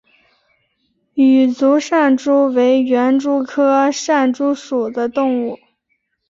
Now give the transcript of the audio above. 羽足扇蛛为园蛛科扇蛛属的动物。